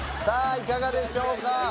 いかがでしょうか？